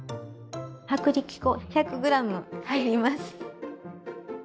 薄力粉１００ｇ入ります。